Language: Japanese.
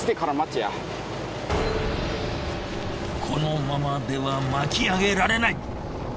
このままでは巻き上げられない。